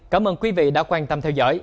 cảm ơn quý vị đã quan tâm theo dõi